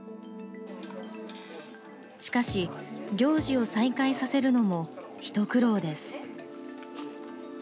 しかし、行事を再開させるのも一苦労です。